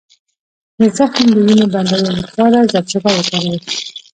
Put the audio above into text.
د زخم د وینې بندولو لپاره زردچوبه وکاروئ